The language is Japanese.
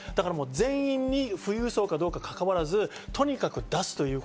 全員、富裕層かどうかにかかわらず、とにかく出す。